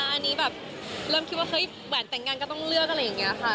อันนี้แบบเริ่มคิดว่าเฮ้ยแหวนแต่งงานก็ต้องเลือกอะไรอย่างนี้ค่ะ